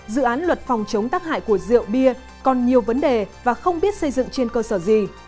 dự án luật phòng chống tác hại của rượu bia còn nhiều vấn đề và không biết xây dựng trên cơ sở gì